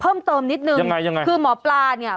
เพิ่มเติมนิดนึงยังไงยังไงคือหมอปลาเนี่ย